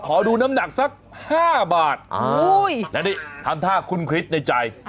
ขอดูน้ำหนักสัก๕บาทแล้วนี่ทำท่าคุ้นคริสในใจ